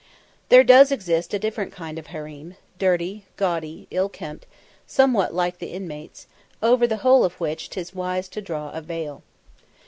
There does exist a different kind of harem dirty, gaudy, ill kempt somewhat like the inmates over the whole of which 'tis wise to draw a veil.